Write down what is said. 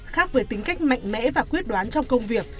khác với tính cách mạnh mẽ và quyết đoán trong công việc